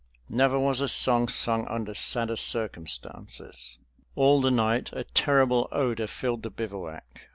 Never was a song sung under sadder circumstances. All the night a terrible odor filled the bivouac.